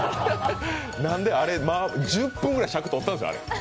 あれ、１０分くらい尺とったんですよ。